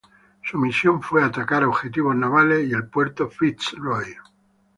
Su misión fue atacar objetivos navales y el puerto Fitz Roy.